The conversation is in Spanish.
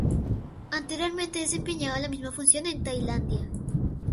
Anteriormente desempeñaba la misma función en Tailandia.